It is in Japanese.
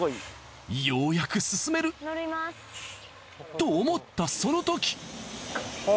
ようやく進める。と思ったそのとき。